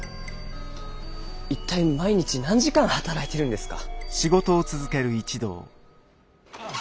一体毎日何時間働いてるんですか？